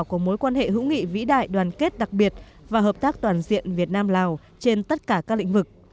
của mối quan hệ hữu nghị vĩ đại đoàn kết đặc biệt và hợp tác toàn diện việt nam lào trên tất cả các lĩnh vực